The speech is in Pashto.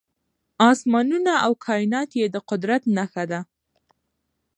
اسمانونه او کائنات يې د قدرت نښه ده .